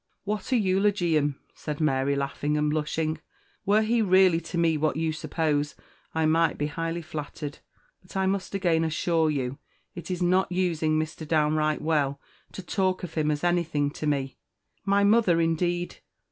"What a eulogium!" said Mary, laughing and blushing. "Were he really to me what you suppose, I must be highly flattered; but I must again assure you it is not using Mr. Downe Wright well to talk of him as anything to me. My mother, indeed